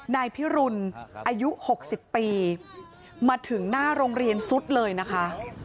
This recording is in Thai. นายพิรุณอายุ๖๐ปีมาถึงหน้าโรงเรียนซุดเลยนะคะ